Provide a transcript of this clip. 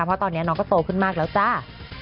เพราะตอนนี้น้องก็โตขึ้นมากแล้วจ้า